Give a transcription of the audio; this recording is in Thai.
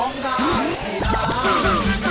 ร้องได้